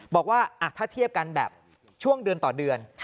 บอกว่าถ้าเทียบกันแบบช่วงเดือนต่อเดือน